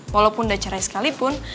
walaupun udah cerai sekalipun